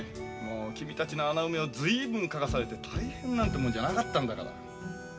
君たちの穴埋めを随分描かされて大変なんてものじゃなかったんだから。